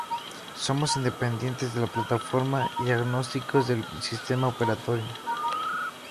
Somos independientes de la plataforma y agnósticos del sistema operativo.